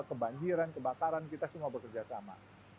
kebanjiran kebakaran kita semua bekerja sama